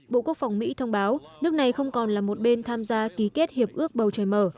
bộ quốc phòng mỹ thông báo nước này không còn là một bên tham gia ký kết hiệp ước bầu trời mở